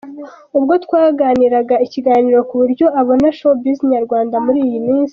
com ubwo twagiranaga ikiganiro kuburyo abona showbiz nyarwanda muri iyi minsi.